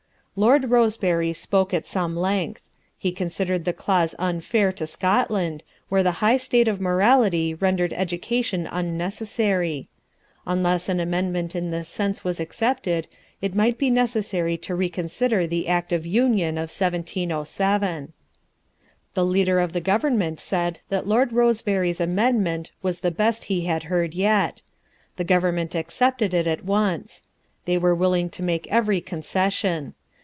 Lord Rosebery spoke at some length. He considered the clause unfair to Scotland, where the high state of morality rendered education unnecessary. Unless an amendment in this sense was accepted, it might be necessary to reconsider the Act of Union of 1707. The Leader of the Government said that Lord Rosebery's amendment was the best he had heard yet. The Government accepted it at once. They were willing to make every concession.